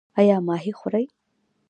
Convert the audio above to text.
ایا ماهي خورئ؟